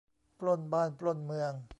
ปล้นบ้านปล้นเมือง